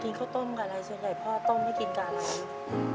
ข้าวต้มกับอะไรส่วนใหญ่พ่อต้มให้กินกับอะไร